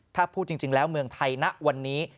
ถ้าพูดจริงแล้วเมืองไทยณวันนี้